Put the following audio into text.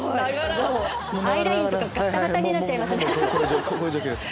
もうアイラインとかガッタガタになっちゃいますね。